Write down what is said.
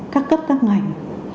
các cấp các ngành